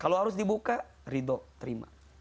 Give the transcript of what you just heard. kalau harus dibuka ridho terima